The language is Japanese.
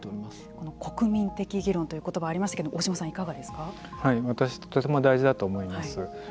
この国民的議論という言葉がありましたけど私も大事だと思います。